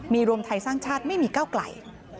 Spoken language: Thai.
มีรวมไทยสร้างชาติไม่มีก้าวไกล